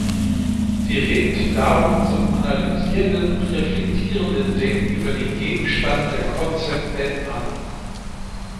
Sie regt darum zum analysierenden und reflektierenden Denken über den Gegenstand der Concept-Map an.